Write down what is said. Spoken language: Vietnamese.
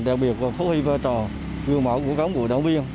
đặc biệt phục hư vơ trò gương mẫu của các bộ đồng viên